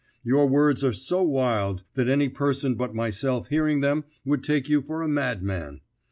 Your words are so wild that any person but myself hearing them would take you for a madman.